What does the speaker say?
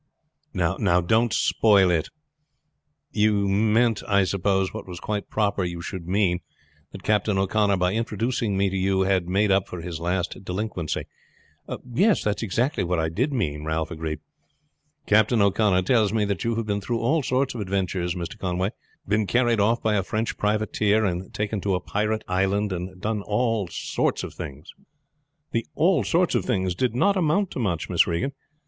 "Now, don't spoil it. You meant I suppose, what was quite proper you should mean, that Captain O'Connor by introducing me to you had made up for his last delinquency." "Yes, that is what I did mean," Ralph agreed. "Captain O'Connor tells me that you have been through all sorts of adventures, Mr. Conway been carried off by a French privateer, and taken to a pirate island, and done all sorts of things." "The 'all sorts of things' did not amount to much, Miss Regan.